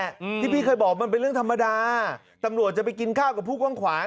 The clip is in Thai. อืมที่พี่เคยบอกมันเป็นเรื่องธรรมดาตำรวจจะไปกินข้าวกับผู้กว้างขวาง